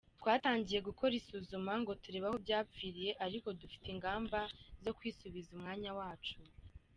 Twatangiye gukora isuzuma ngo turebe aho byapfiriye ariko dufite ingamba zo kwisubiza umwanya wacu".